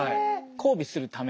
交尾するために。